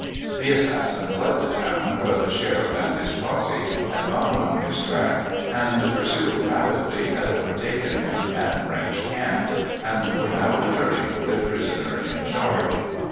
The assassin fled the town, but the sheriff and his posse had gotten on his track, and, pursuing rapidly, had overtaken him at French Camp, and were now re turning with their prisoner in charge.